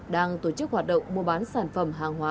đang tổ chức hoạt động mua bán sản phẩm hàng hóa